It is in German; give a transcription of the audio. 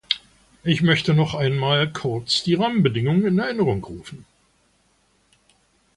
Ich möchte noch einmal kurz die Rahmenbedingungen in Erinnerung rufen.